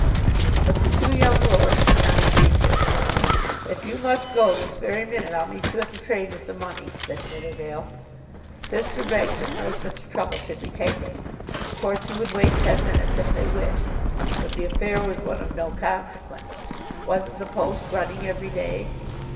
But the two young lords would not agree to this. "If you must go this very minute I'll meet you at the train with the money," said Nidderdale. Fisker begged that no such trouble should be taken. Of course he would wait ten minutes if they wished. But the affair was one of no consequence. Wasn't the post running every day?